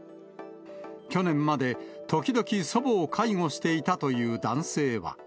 去年まで時々、祖母を介護していたという男性は。